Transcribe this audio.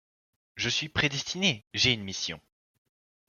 Je suis prédestiné! j’ai une mission.